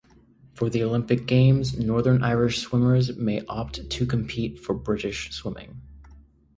For the Olympic Games, Northern Irish swimmers may opt to compete for British Swimming.